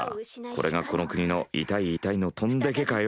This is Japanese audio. これがこの国の痛い痛いの飛んでけかよ。